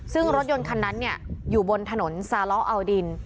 ซึ่งรถยนต์คันนั้นอยู่บนถนนซาล้อเอาดิน